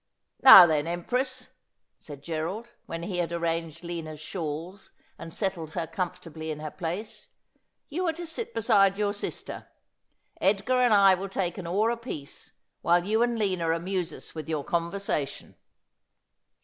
' Now then. Empress,' said Gerald, when he had arranged Lina's shawls, and settled her comfortably in her place, ' you are to sit beside your sister. Edgar and I will take an oar apiece while you and Lina amuse us with your conversation.'